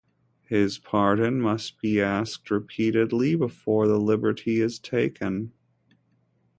His pardon must be asked repeatedly before the liberty is taken.